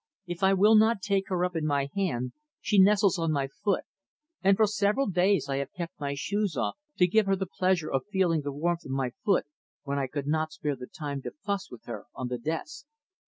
If I will not take her up in my hand, she nestles on my foot, and for several days I have kept my shoes off to give her the pleasure of feeling the warmth of my foot when I could not spare the time to 'fuss' with her on the desk.